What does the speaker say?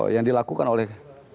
yang dilakukan oleh